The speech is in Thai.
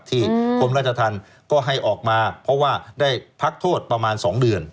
กรมราชธรรมก็ให้ออกมาเพราะว่าได้พักโทษประมาณ๒เดือน